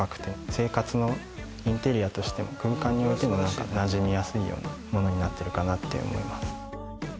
生活のインテリアとしても空間に置いてもなじみやすいようなものになってるかなって思います。